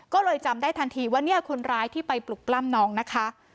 ก็เลยจำได้ทันทีว่าเนี่ยคนร้ายที่ไปปลุกปล้ำน้องนะคะ